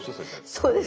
そうです。